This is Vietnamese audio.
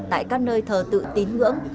tại các nơi thờ tự tín ngưỡng